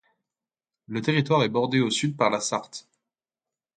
Le territoire est bordé au sud par la Sarthe.